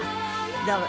どうも。